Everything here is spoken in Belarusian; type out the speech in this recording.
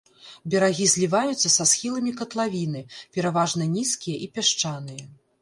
Берагі зліваюцца са схіламі катлавіны, пераважна нізкія і пясчаныя.